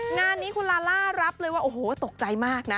งานนี้คุณลาล่ารับเลยว่าโอ้โหตกใจมากนะ